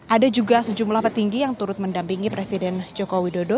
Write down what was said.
ada juga sejumlah petinggi yang turut mendampingi presiden joko widodo